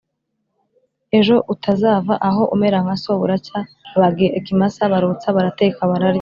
ejo utazava aho umera nka so!" Buracya babaga ikimasa; barotsa barateka bararya.